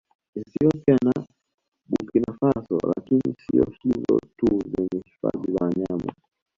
Ethiopia na Burkinafaso lakini siyo hizo tu zenye hifadhi za wanyama